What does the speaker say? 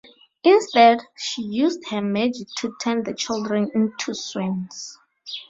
Instead, she used her magic to turn the children into swans.